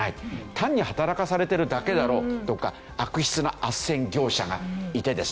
単に働かされてるだけだろうとか悪質な斡旋業者がいてですね